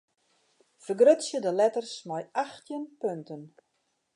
Fergrutsje de letters mei achttjin punten.